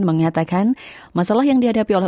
mengatakan masalah yang dihadapi oleh